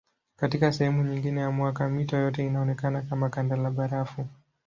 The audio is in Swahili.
Katika sehemu nyingine ya mwaka mito yote inaonekana kama kanda la barafu.